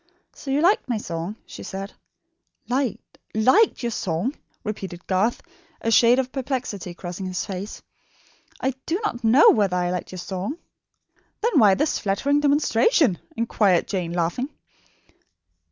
"So you liked my song?" she said. "Liked liked your song?" repeated Garth, a shade of perplexity crossing his face. "I do not know whether I liked your song." "Then why this flattering demonstration?" inquired Jane, laughing.